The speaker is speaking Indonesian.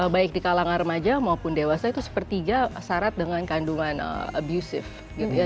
baik di kalangan remaja maupun dewasa itu sepertiga syarat dengan kandungan abusive gitu ya